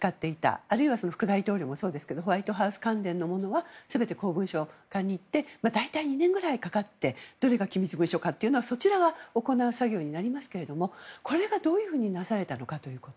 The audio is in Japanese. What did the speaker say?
あるいは副大統領もそうですけどホワイトハウス関連のものは全て公文書館に行って大体２年くらいかかってどれが機密文書というのはそちらを行う作業になりますがこれがどういうふうになされたかということ。